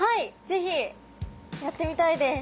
ぜひやってみたいです。